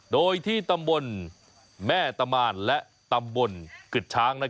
โดยที่ตำบลแม่ตะมานและตำบลกึดช้าง